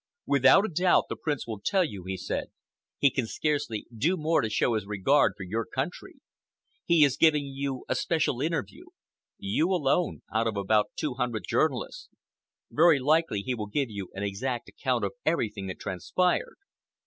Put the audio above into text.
"Without a doubt, the Prince will tell you," he said. "He can scarcely do more to show his regard for your country. He is giving you a special interview—you alone out of about two hundred journalists. Very likely he will give you an exact account of everything that transpired.